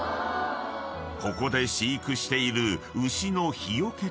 ［ここで飼育している］